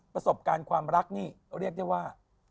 ประสบการณ์ความรักนี่เรียกได้ว่า